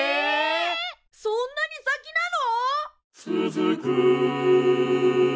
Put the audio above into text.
そんなに先なの！？